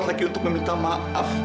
lagi untuk meminta maaf